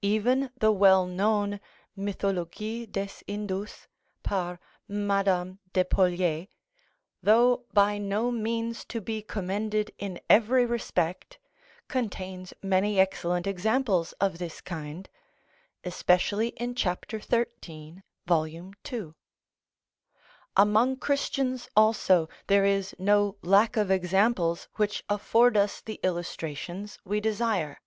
Even the well known "Mythologie des Indous, par Mad. de Polier," though by no means to be commended in every respect, contains many excellent examples of this kind (especially in ch. 13, vol. ii.) Among Christians also there is no lack of examples which afford us the illustrations we desire.